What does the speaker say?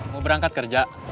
mau berangkat kerja